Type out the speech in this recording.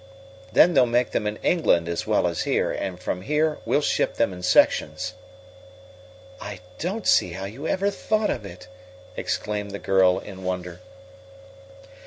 "Then they'll make them in England as well as here, and from here we'll ship them in sections." "I don't see how you ever thought of it!" exclaimed the girl, in wonder.